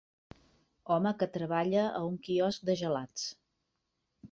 home que treballa a un quiosc de gelats.